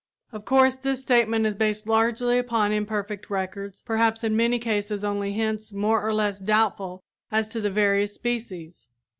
Of course, this statement is based largely upon imperfect records, perhaps, in many cases only hints more or less doubtful as to the various species.